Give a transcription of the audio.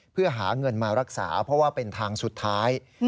เพื่อหาเงินมารักษาเพราะว่าเป็นทางสุดท้าย